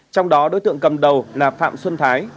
trong đó đối tượng cầm đầu là phạm xuân thái